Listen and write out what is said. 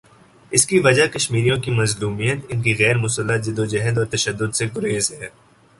اس کی وجہ کشمیریوں کی مظلومیت، ان کی غیر مسلح جد وجہد اور تشدد سے گریز ہے۔